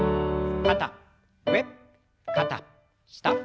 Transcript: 肩上肩下。